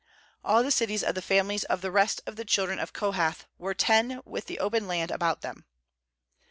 26AH the cities of the families of the rest of the children of Kohath were ten with the open land about them.